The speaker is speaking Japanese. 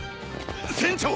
船長！